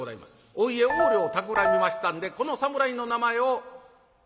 お家横領をたくらみましたんでこの侍の名前を吉良といたしましょう。